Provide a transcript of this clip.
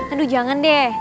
aduh jangan deh